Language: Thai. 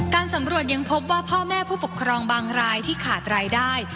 การสำรวจยังพบว่าพ่อแม่ผู้ปกครองบางรายที่ขาดรายได้